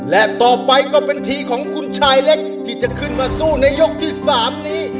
และต่อไปก็เป็นทีของคุณชายเล็กที่จะขึ้นมาสู้ในยกที่๓นี้